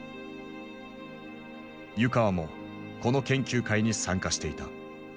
湯川もこの研究会に参加していた。